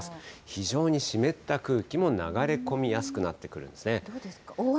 非常に湿った空気も流れ込みやすくなってくるんですね。